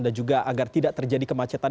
dan juga agar tidak terjadi kemacetan